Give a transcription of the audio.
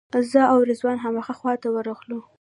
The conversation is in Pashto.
زه او رضوان همغه خواته ورغلو.